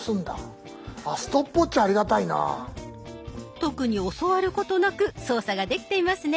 特に教わることなく操作ができていますね。